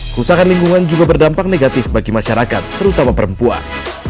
kerusakan lingkungan juga berdampak negatif bagi masyarakat terutama perempuan